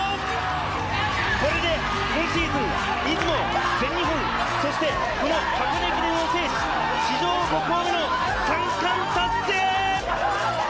これで今シーズン、出雲、全日本、そしてこの箱根駅伝を制し、史上５校目の三冠達成！